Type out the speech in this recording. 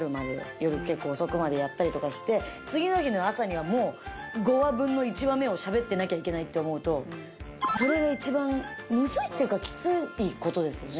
夜結構遅くまでやったりとかして次の日の朝にはもう５話分の１話目を喋ってなきゃいけないと思うとそれが一番むずいっていうかきついことですよね